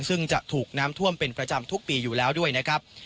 ซึ่งจะถูกน้ำท่วมเป็นประจำทุกปีอยู่แล้วด้วยนะครับ